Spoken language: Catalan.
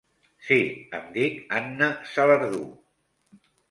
Sí, em dic Anna Salardú.